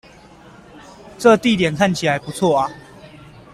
這地點看起來不錯啊